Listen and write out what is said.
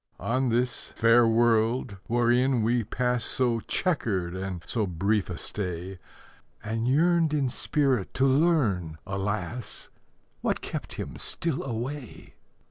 On this fair world, wherein we pass So chequered and so brief a stay, And yearned in spirit to learn, alas! What kept him still away.